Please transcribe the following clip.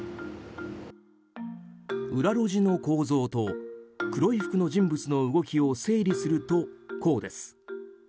裏路地の構造と黒い服の人物の動きを整理すると、こうです。